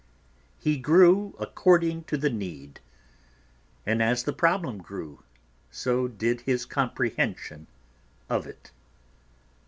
"He grew according to the need, and as the problem grew, so did his comprehension of it."